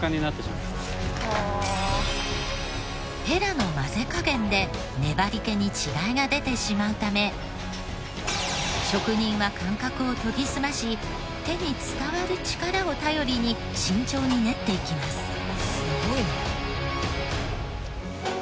ヘラの混ぜ加減で粘り気に違いが出てしまうため職人は感覚を研ぎ澄まし手に伝わる力を頼りに慎重に煉っていきます。